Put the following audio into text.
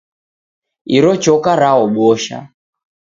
Iro choka raobosha.